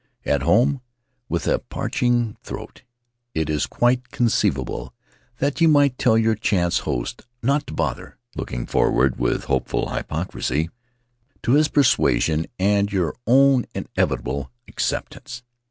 At home, with a parching throat, it is quite conceivable that you might tell your chance host not to bother, looking forward with hope ful hypocrisy to his persuasion and your own inevitable acceptance.